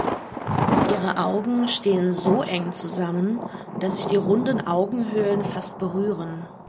Ihre Augen stehen so eng zusammen, dass sich die runden Augenhöhlen fast berühren.